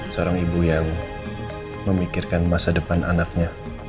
seorang ibu yang memikirkan masa depan anaknya